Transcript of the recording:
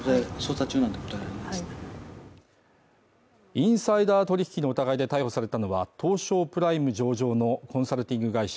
インサイダー取引の疑いで逮捕されたのは東証プライム上場のコンサルティング会社